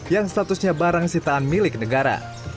yang statusnya barang sitaan milik negara